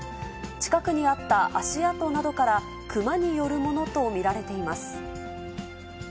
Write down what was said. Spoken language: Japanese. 近くにあった足跡などから、熊によるものと見られています。